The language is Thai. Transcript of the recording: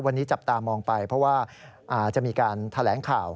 วันนี้จับตามองไปเพราะว่าจะมีการแถลงข่าว